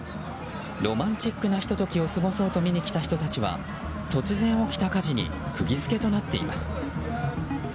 ロマンチックなひと時を過ごそうと見に来た人たちは突然、起きた火事に釘付けとなっています。